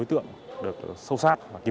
trong đó có khán giả